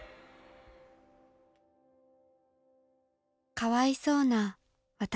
かわいそうな私。